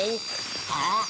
ああ。